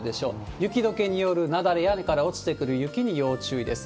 雪どけによる雪崩、屋根から落ちてくる雪に要注意です。